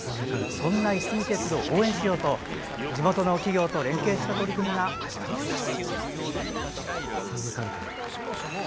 そんないすみ鉄道を応援しようと地元の企業と連携した取り組みが始まっています。